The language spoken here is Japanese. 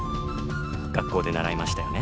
学校で習いましたよね。